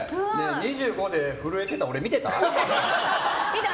２５で震えてた俺見てた？